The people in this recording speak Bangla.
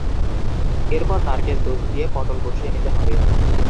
এরপর নারকেল দুধ চিনি দিয়ে পটল কষিয়ে নিতে হবে।